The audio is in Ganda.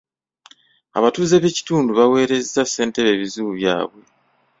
Abatuze b'ekitundu baweerezza ssentebe ebizibu byabwe.